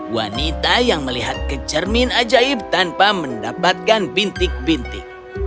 wanita yang melihat kecermin ajaib tanpa mendapatkan bintik bintik